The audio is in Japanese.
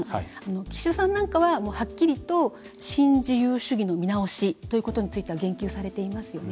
岸田さんなんかははっきりと新自由主義の見直しということについては言及されていますよね。